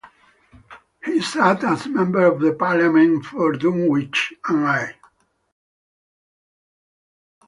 He sat as Member of Parliament for Dunwich and Eye.